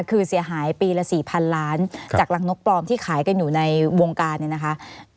คือเสียหายปีละ๔๐๐๐ล้านจากรังนกปลอมที่ขายกันอยู่ในวงการเนี่ยนะคะ